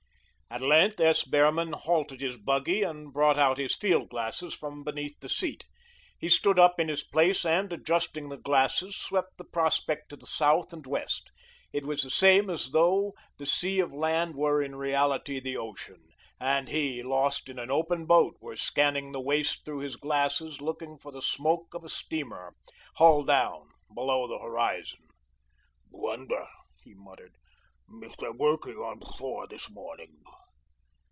At length, S. Behrman halted his buggy and brought out his field glasses from beneath the seat. He stood up in his place and, adjusting the lenses, swept the prospect to the south and west. It was the same as though the sea of land were, in reality, the ocean, and he, lost in an open boat, were scanning the waste through his glasses, looking for the smoke of a steamer, hull down, below the horizon. "Wonder," he muttered, "if they're working on Four this morning?"